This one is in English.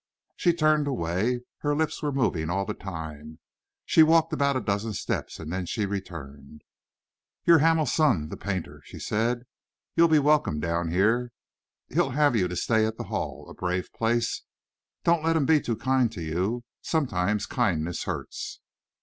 She turned away. Her lips were moving all the time. She walked about a dozen steps, and then she returned. "You're Hamel's son, the painter," she said. "You'll be welcome down here. He'll have you to stay at the Hall a brave place. Don't let him be too kind to you. Sometimes kindness hurts."